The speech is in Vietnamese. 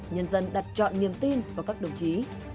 nhân dân đặt chọn niềm tin vào các đồng chí